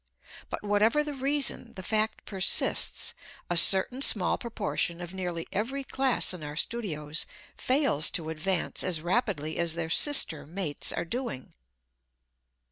But whatever the reason, the fact persists, a certain small proportion of nearly every class in our studios fails to advance as rapidly as their sister mates are doing.